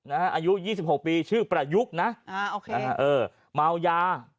อายุยี่สิบหกปีชื่อประยุคนะฮะเมาร์ยา